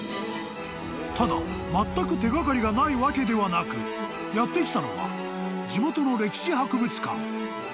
［ただまったく手掛かりがないわけではなくやって来たのは地元の歴史博物館］